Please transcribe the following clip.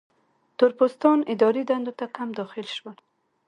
تور پوستان اداري دندو ته کم داخل شول.